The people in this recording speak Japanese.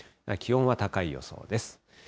気温は高い予想です。